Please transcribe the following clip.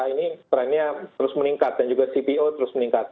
ini trendnya terus meningkat dan juga cpo terus meningkat